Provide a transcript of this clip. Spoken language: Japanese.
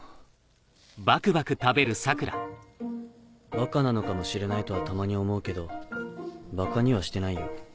バカなのかもしれないとはたまに思うけどばかにはしてないよ。